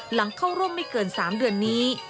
หลังเข้าร่วมไม่เกิน๓เดือนนี้